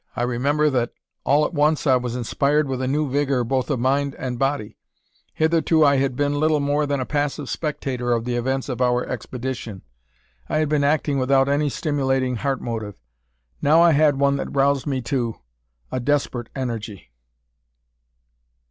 I remember that, all at once, I was inspired with a new vigour both of mind and body. Hitherto I had been little more than a passive spectator of the events of our expedition. I had been acting without any stimulating heart motive; now I had one that roused me to, a desperate energy.